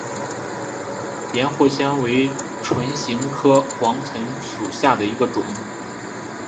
岩藿香为唇形科黄芩属下的一个种。